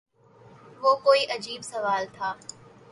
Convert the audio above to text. وہ کوئی عجیب سوال تھا